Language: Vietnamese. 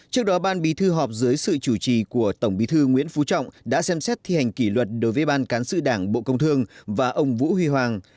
trước đó ban bí thư họp dưới sự chủ trì của tổng bí thư nguyễn phú trọng đã xem xét thi hành kỷ luật đối với ban cán sự đảng bộ công thương và ông vũ huy hoàng